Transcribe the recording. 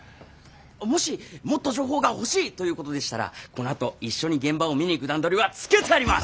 もしもっと情報が欲しい！ということでしたらこのあと一緒に現場を見に行く段取りはつけてあります！